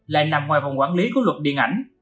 lại nằm ngoài vòng quản lý của luật điện ảnh